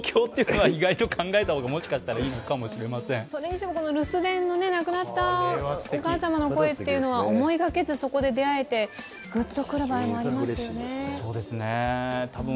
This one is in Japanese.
それにしても留守電の亡くなったお母様の声というのは思いがけず、そこで出会えて、グッとくる場合もありますよね。